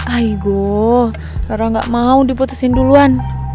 aigo kalau gak mau diputusin duluan